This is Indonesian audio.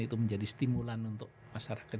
itu menjadi stimulan untuk masyarakat